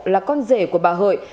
là con rể của bà hợi